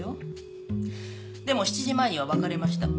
でも７時前には別れました。